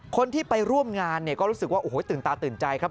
คนที่ไปร่วมงานเนี่ยก็รู้สึกว่าโอ้โหตื่นตาตื่นใจครับ